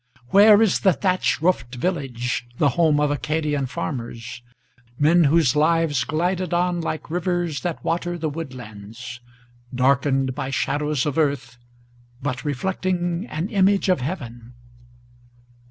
Where is the thatch roofed village, the home of Acadian farmers, Men whose lives glided on like rivers that water the woodlands, Darkened by shadows of earth, but reflecting an image of heaven?